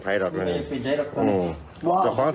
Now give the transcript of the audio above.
รีบรักเลย